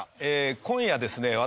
今夜ですね